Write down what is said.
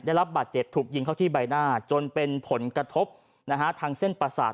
ได้รับบาดเจ็บถูกยิงเข้าที่ใบหน้าจนเป็นผลกระทบทางเส้นประสาท